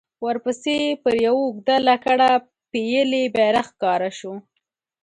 ورپسې پر يوه اوږده لکړه پېيلی بيرغ ښکاره شو.